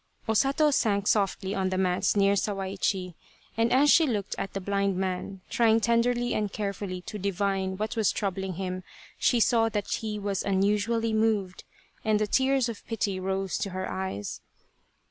O Sato sank softly on the mats near Sawaichi, and as she looked at the blind man, trying tenderly and carefully to divine what was troubling him, she saw that he was unusually moved, and the tears of pity rose to her eyes.